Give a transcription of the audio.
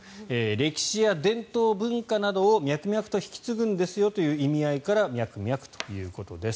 歴史や伝統・文化などを脈々と引き継ぐんですよという意味合いからミャクミャクということです。